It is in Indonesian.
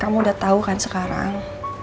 kamu udah tahu kan sekarang